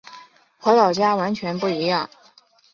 和老家完全不一样